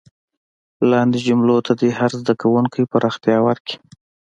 لاندې جملو ته دې هر زده کوونکی پراختیا ورکړي.